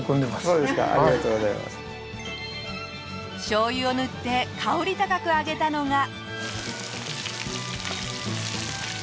しょうゆを塗って香り高く揚げたのが。